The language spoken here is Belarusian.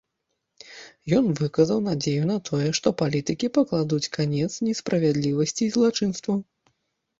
Ён выказаў надзею на тое, што палітыкі пакладуць канец несправядлівасці і злачынстваў.